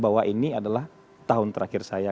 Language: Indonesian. bahwa ini adalah tahun terakhir saya